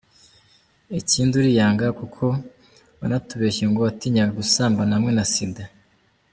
Ikindi uriyanga kuko wanatubeshye ngo watinyaga gusambana hamwe na sida.